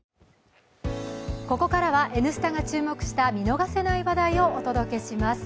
ここからは「Ｎスタ」が注目した見逃せない話題をお届けします。